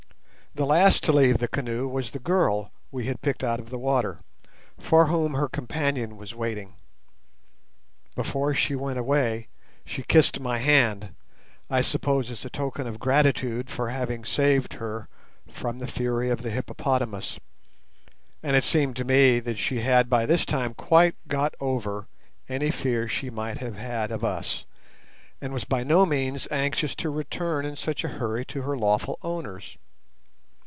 The last to leave the canoe was the girl we had picked out of the water, for whom her companion was waiting. Before she went away she kissed my hand, I suppose as a token of gratitude for having saved her from the fury of the hippopotamus; and it seemed to me that she had by this time quite got over any fear she might have had of us, and was by no means anxious to return in such a hurry to her lawful owners.